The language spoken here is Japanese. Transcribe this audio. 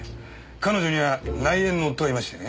彼女には内縁の夫がいましてね。